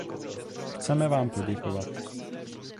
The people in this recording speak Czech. Chceme vám poděkovat.